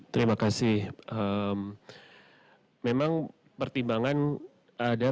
terima kasih memang pertimbangan ada